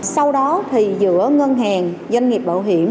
sau đó thì giữa ngân hàng doanh nghiệp bảo hiểm